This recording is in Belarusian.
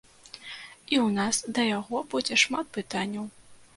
І ў нас да яго будзе шмат пытанняў.